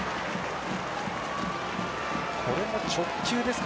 これも直球ですか。